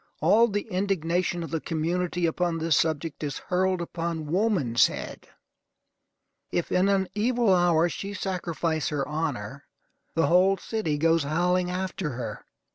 All the indignation of the community upon this subject is hurled upon woman's head. If, in an evil hour, she sacrifice her honor, the whole city goes howling after her.